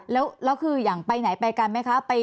แล้วคืออย่างไปไหนไปกันไหมคะ